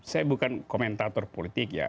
saya bukan komentator politik ya